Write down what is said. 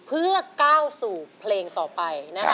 เพื่อก้าวสู่เพลงต่อไปนะคะ